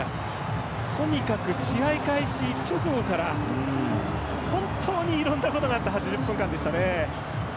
とにかく試合開始直後から本当にいろんなことがあった８０分間でしたね。